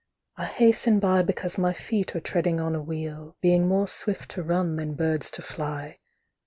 I hasten by Because my feet are treading on a wheel, Being more swift to run than birds to fly.